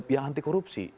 yang anti korupsi